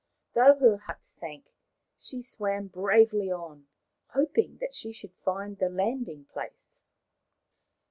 Though her heart sank, she swam bravely on, hoping that she should find the landing place.